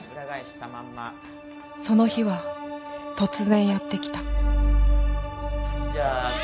その日は突然やって来たうわ！